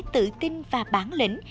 tự tin và bán lĩnh